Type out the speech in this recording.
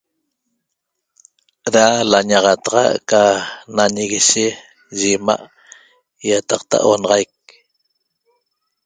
Ra lañaxataxa ca nañiguishe ye ima' iataqta onaxaic